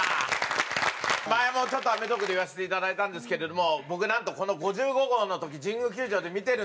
前も『アメトーーク』で言わせていただいたんですけども僕なんとこの５５号の時神宮球場で見てるんですよ。